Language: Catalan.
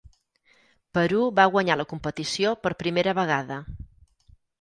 Perú va guanyar la competició per primera vegada.